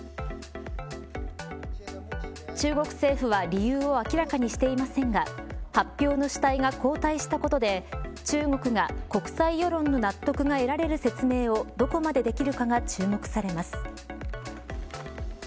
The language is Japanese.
中国政府は理由を明らかにしていませんが発表の主体が交代したことで中国が、国際世論の納得が得られる説明をどこまでできるかが注目されます。